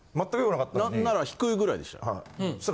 なんなら低いぐらいでした。